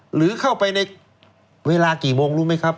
หรือเข้าไปในเวลากี่โมงรู้ไหมครับ